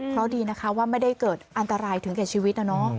เพราะดีนะคะว่าไม่ได้เกิดอันตรายถึงแก่ชีวิตนะเนอะ